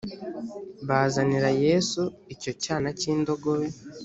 bazanira yesu icyo cyana cy’indogobe